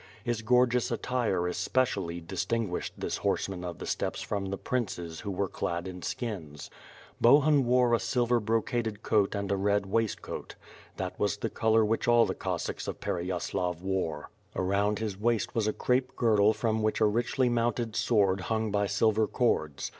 His gorgeous attire especially, distinguished this horseman of the steppes from the princes who were clad in skins. Bohim wore a silver brocaded coat and a red waist coat. That was the color which all the Cos sacks of Pereyaslav wore. Around his waist was a crape girdle from which a richly mounted sword hung by silver cords.